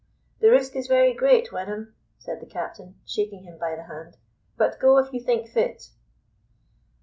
"The risk is very great, Wenham," said the captain, shaking him by the hand; "but go if you think fit."